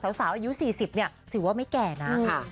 สาวอายุ๔๐ถือว่าไม่แก่นะ